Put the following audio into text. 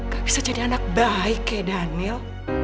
gak bisa jadi anak baik ya daniel